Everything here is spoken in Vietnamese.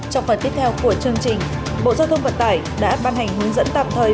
trong phần tiếp theo của chương trình bộ giao thông vận tải đã ban hành hướng dẫn tạm thời